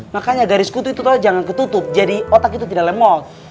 makanya garis kutu itu jangan ketutup jadi otak itu tidak lemot